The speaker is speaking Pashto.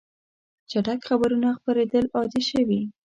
چټک خبرونه خپرېدل عادي شوي.